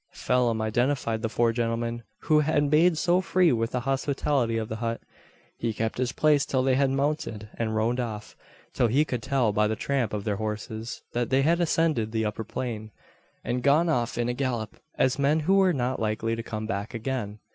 Phelim identified the four gentlemen who had made so free with the hospitality of the hut. He kept his place till they had mounted, and rode off till he could tell by the tramp of their horses that they had ascended the upper plain, and gone off in a gallop as men who were not likely to come back again.